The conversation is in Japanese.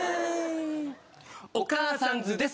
お母さんズです